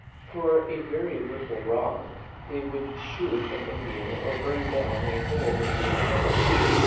For a very little wrong they would shoot an Indian or burn down a whole Indian village.